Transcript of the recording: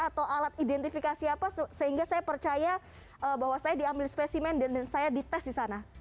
atau alat identifikasi apa sehingga saya percaya bahwa saya diambil spesimen dan saya dites di sana